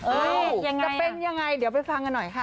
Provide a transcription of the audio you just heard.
จะเป็นยังไงเดี๋ยวไปฟังกันหน่อยค่ะ